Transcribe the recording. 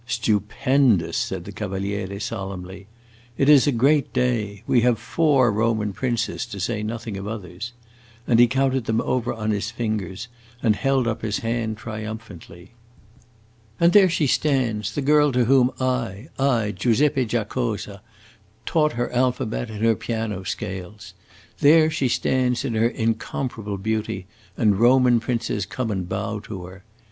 "Stupendous!" said the Cavaliere, solemnly. "It is a great day. We have four Roman princes, to say nothing of others." And he counted them over on his fingers and held up his hand triumphantly. "And there she stands, the girl to whom I I, Giuseppe Giacosa taught her alphabet and her piano scales; there she stands in her incomparable beauty, and Roman princes come and bow to her.